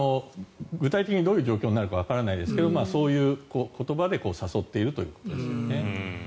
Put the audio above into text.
具体的にどういう状況になるかわからないですがそういう言葉で誘っているということですね。